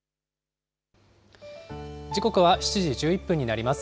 時刻は７時１１分になります。